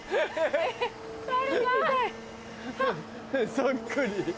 そっくり。